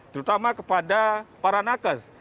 terutama kepada para nakes